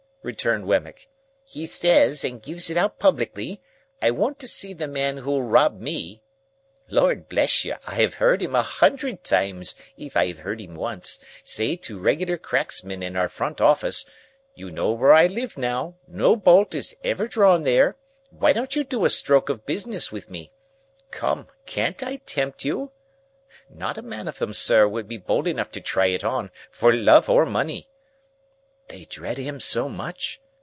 returned Wemmick. "He says, and gives it out publicly, "I want to see the man who'll rob me." Lord bless you, I have heard him, a hundred times, if I have heard him once, say to regular cracksmen in our front office, "You know where I live; now, no bolt is ever drawn there; why don't you do a stroke of business with me? Come; can't I tempt you?" Not a man of them, sir, would be bold enough to try it on, for love or money." "They dread him so much?"